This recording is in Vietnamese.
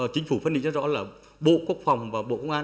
chính phủ phân định rất rõ là bộ quốc phòng và bộ công an